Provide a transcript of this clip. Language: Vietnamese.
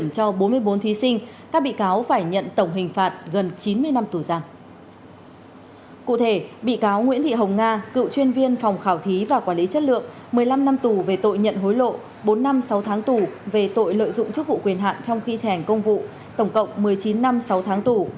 cụ thể bị cáo nguyễn thị hồng nga cựu chuyên viên phòng khảo thí và quản lý chất lượng một mươi năm năm tù về tội nhận hối lộ bốn năm sáu tháng tù về tội lợi dụng chức vụ quyền hạn trong khi thi hành công vụ tổng cộng một mươi chín năm sáu tháng tù